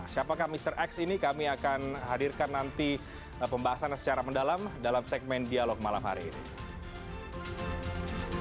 siapakah mr x ini kami akan hadirkan nanti pembahasannya secara mendalam dalam segmen dialog malam hari ini